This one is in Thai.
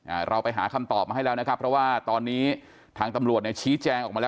อ่าเราไปหาคำตอบมาให้แล้วนะครับเพราะว่าตอนนี้ทางตำรวจเนี่ยชี้แจงออกมาแล้ว